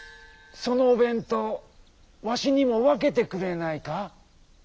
そのおべんとうわしにもわけてくれないか？